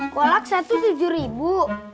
kolak satu tujuh ribu